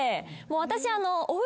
私。